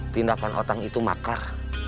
tindakan otang itu makar